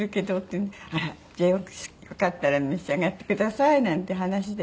あらじゃあよかったら召し上がってくださいなんて話で。